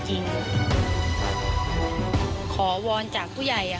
อันดับสุดท้าย